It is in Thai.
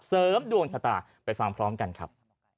เสริมดวงชะตาไปฟังพร้อมกันครับ